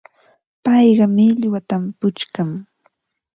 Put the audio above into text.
Payqa millwatam puchkan.